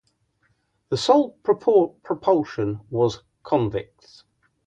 The sole propulsion was convicts.